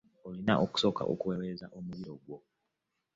Olina okusooka okuweweeza omumiro gwo.